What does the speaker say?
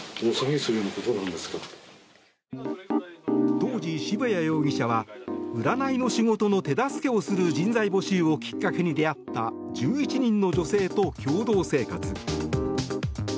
当時、渋谷容疑者は占いの仕事の手助けをする人材募集をきっかけに出会った１１人の女性と共同生活。